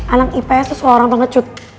anak ips tuh seorang pengecut